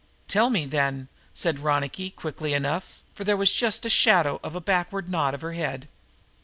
"Tell me, then," said Ronicky quickly enough, for there was just the shadow of a backward nod of her head.